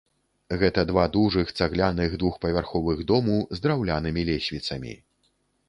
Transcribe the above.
Гэта два дужых цагляных двухпавярховых дому з драўлянымі лесвіцамі.